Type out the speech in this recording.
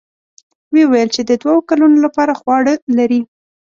ويې ويل چې د دوو کلونو له پاره خواړه لري.